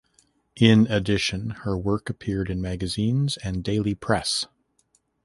In addition her work appeared in magazines and daily press.